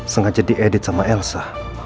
sengaja diedit sama elsa